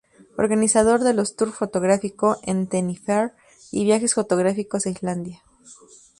Organizador de los tour fotográfico en Tenerife, y viajes fotográficos a Islandia.